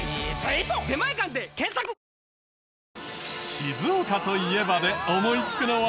「静岡といえば」で思いつくのは？